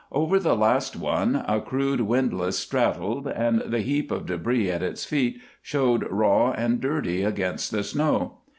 Over the last one a crude windlass straddled and the heap of debris at its feet showed raw and dirty against the snow.